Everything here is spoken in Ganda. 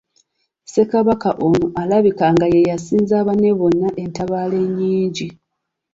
Ssekabaka ono alabika nga ye yasinza banne bonna entabaalo ennyingi.